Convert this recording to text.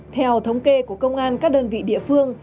theo thống kê của công an các đơn vị địa phương